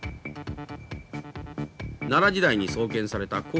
奈良時代に創建された興福寺。